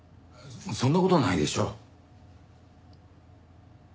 そんな事はないでしょう。